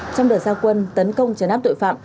trong đợt giao quân tấn công chấn áp tội phạm